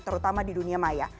terutama di dunia maya